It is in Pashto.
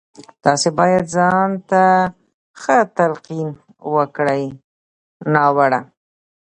تاسې بايد ځان ته ښه تلقين وکړئ نه ناوړه.